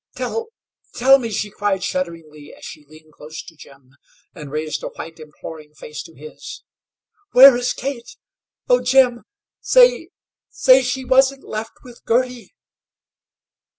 "Tell tell me," she cried, shudderingly, as she leaned close to Jim and raised a white, imploring face to his. "Where is Kate? Oh! Jim say, say she wasn't left with Girty?"